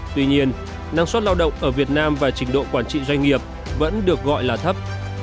tuy nhiên năng suất lao động ở việt nam và trình độ quản trị doanh nghiệp vẫn được gọi là thấp